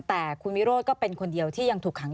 แต่คุณวิโรธก็เป็นคนเดียวที่ยังถูกขัง